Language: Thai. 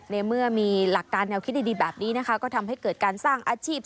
ในเมื่อมีหลักการแนวคิดดีแบบนี้นะคะก็ทำให้เกิดการสร้างอาชีพ